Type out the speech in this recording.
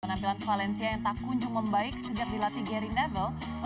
penampilan valencia yang tak kunjung membaik sejak dilatih gary never